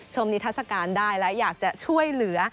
นิทัศกาลได้และอยากจะช่วยเหลือ